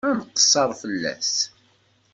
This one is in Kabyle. Ad nqeṣṣer fell-as.